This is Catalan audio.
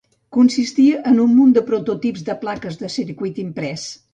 Consistia en un munt de prototips de plaques de circuit imprès.